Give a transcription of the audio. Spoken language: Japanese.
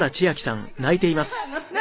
「何？